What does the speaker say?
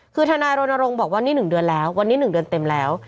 คือทนายรณรงค์บอกว่านี่๑เดือนแล้ววันนี้๑เดือนเต็มแล้ว